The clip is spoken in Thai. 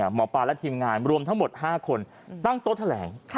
หมอปลาและทีมงานรวมทั้งหมด๕คนตั้งโต๊ะแถลง